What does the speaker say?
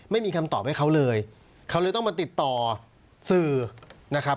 ไม่มีคำตอบให้เขาเลยเขาเลยต้องมาติดต่อสื่อนะครับ